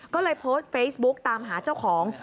ก็เลยโพสต์เฟซบุ๊กตามหาเจ้าของ